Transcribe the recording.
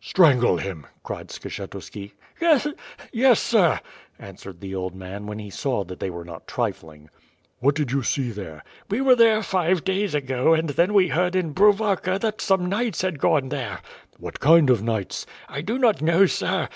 "Strangle him/' cried Skshetuski. "Yes, sir/' answered the old man, when he saw that they were not trifling. What did you see there?" "We were there five days ago and then we heard in Brov aka that some knights had gone there," "What kind of knights?" "1 do not know sir.